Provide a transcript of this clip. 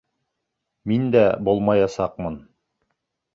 Мин дә булмаясаҡмын.